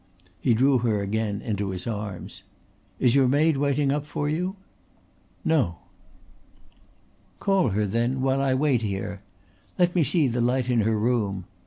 He drew her again into his arms. "Is your maid waiting up for you?" "No." "Call her then, while I wait here. Let me see the light in her room.